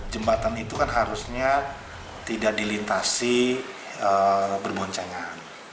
jembatan itu kan harusnya tidak dilintasi berboncengan